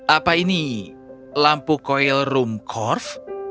apa ini lampu koil rumkorf